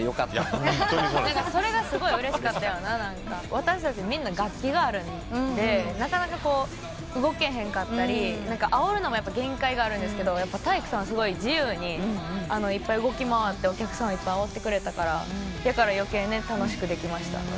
私たちみんな楽器があるんでなかなか動けへんかったりあおるのも限界があるんですが体育さんはすごい自由にいっぱい動き回ってお客さんをいっぱいあおってくれたから余計楽しくできました。